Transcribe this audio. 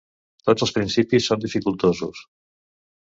Tots els principis són dificultosos.